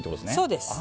そうです。